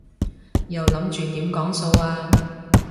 又諗住點講數啊？